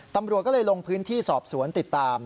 ตำรวจก็เลยลงพื้นที่สอบสวนติดตาม